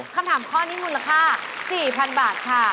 คำถามข้อนี้มูลค่า๔๐๐๐บาทค่ะ